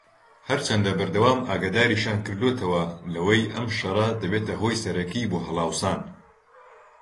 هەرچەندە بەردەوام ئاگاداریشیان کردۆتەوە لەوەی ئەم شەڕە دەبێتە هۆی سەرەکیی بۆ هەڵاوسان